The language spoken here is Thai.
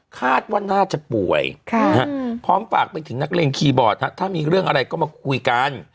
คาดว่าน่าจะป่วยพร้อมฝากไปถึงนักเลงคีย์บอร์ดถ้ามีเรื่องอะไรก็มาคุยกัน